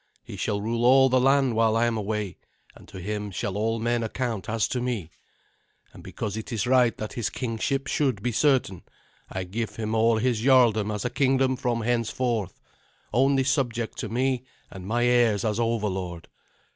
He shall rule all the land while I am away, and to him shall all men account as to me. And because it is right that his kingship should be certain, I give him all his jarldom as a kingdom from henceforth, only subject to me and my heirs as overlord.